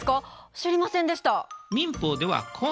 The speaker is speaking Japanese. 知りませんでした。